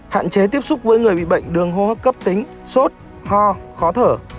hạn chế tiếp xúc với người bị bệnh đường hô hấp cấp tính sốt ho khó thở